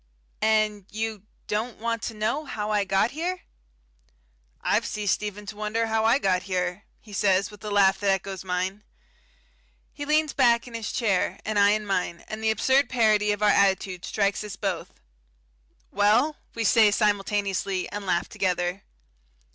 "And you don't want to know how I got here?" "I've ceased even to wonder how I got here," he says, with a laugh that echoes mine. He leans back in his chair, and I in mine, and the absurd parody of our attitude strikes us both. "Well?" we say, simultaneously, and laugh together.